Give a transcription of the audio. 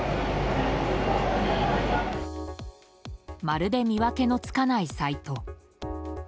まるで見分けのつかないサイト。